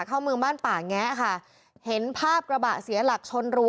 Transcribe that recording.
เข้าเมืองบ้านป่าแงะค่ะเห็นภาพกระบะเสียหลักชนรั้